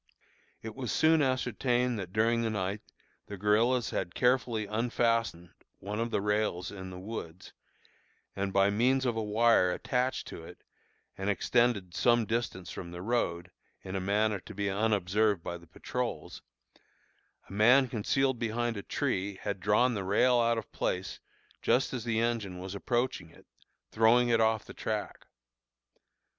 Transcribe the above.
It was soon ascertained that during the night the guerillas had carefully unfastened one of the rails in the woods, and by means of a wire attached to it and extended to some distance from the road, in a manner to be unobserved by the patrols, a man concealed behind a tree had drawn the rail out of place just as the engine was approaching it, throwing it off the track.